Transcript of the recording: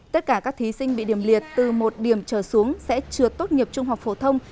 tất cả các thí sinh bị điểm liệt từ một điểm trở xuống sẽ trượt tốt nghiệp trung học phổ thông